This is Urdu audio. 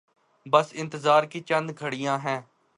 بس انتظار کی چند گھڑیاں ہیں۔